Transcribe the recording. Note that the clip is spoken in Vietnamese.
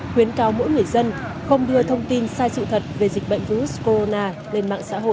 khuyến cáo mỗi người dân không đưa thông tin sai sự thật về dịch bệnh virus corona lên mạng xã hội